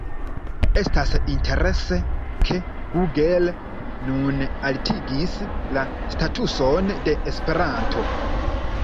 Estas interese, ke Google nun altigis la statuson de Esperanto.